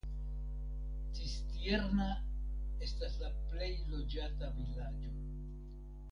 Cistierna estas la plej loĝata vilaĝo.